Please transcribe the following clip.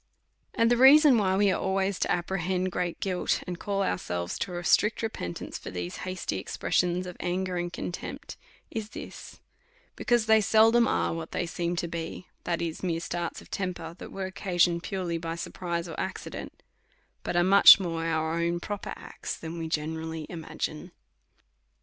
And the reason why we are always to apprehend great guilty and call ourselves to a strict repentance for these hasty expressions of anger and contempt^ is this; be cause they seldom are what they seem to be, that is, mere starts of temper, that are occasioned purely by surprise or accident; but are much more our own proper acts, than we generally imagine.